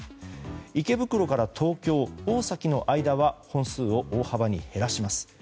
池袋から東京、大崎の間は本数を大幅に減らします。